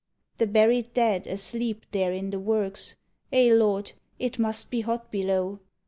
"The buried dead asleep there in the works Eh, Lord! It must be hot below!